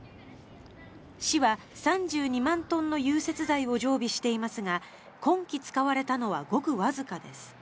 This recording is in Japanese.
市は３２万トンの融雪剤を常備していますが今季使われたのはごくわずかです。